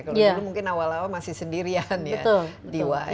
kalau dulu mungkin awal awal masih sendirian ya di wai